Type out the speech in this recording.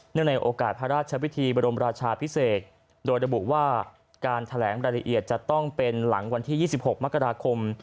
ในโอกาสพระราชวิธีบรมราชาพิเศษโดยระบุว่าการแถลงรายละเอียดจะต้องเป็นหลังวันที่๒๖มกราคม